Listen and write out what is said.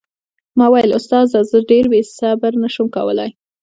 ما وويل استاده زه ډېر صبر نه سم کولاى.